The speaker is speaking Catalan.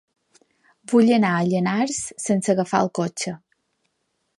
Vull anar a Llanars sense agafar el cotxe.